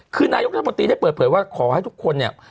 คือนายกรัฐมนตรีได้เปิดเผยว่าขอให้ทุกคนเนี่ย